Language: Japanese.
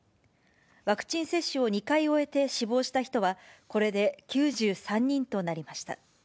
ワクチン接種を２回終えて死亡した人は、これで９３人となりました。